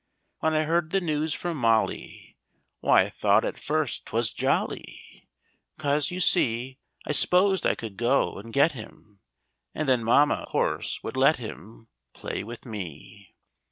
When I heard the news from Molly, Why, I thought at first 't was jolly, 'Cause, you see, I s'posed I could go and get him And then Mama, course, would let him Play with me.